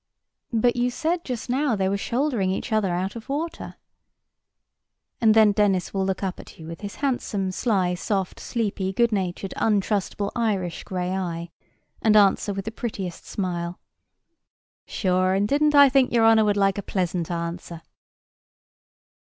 "But you said just now they were shouldering each other out of water?" And then Dennis will look up at you with his handsome, sly, soft, sleepy, good natured, untrustable, Irish gray eye, and answer with the prettiest smile: "Shure, and didn't I think your honour would like a pleasant answer?"